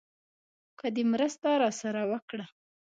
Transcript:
که دې مرسته راسره وکړه.